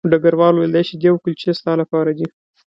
ډګروال وویل دا شیدې او کلچې ستا لپاره دي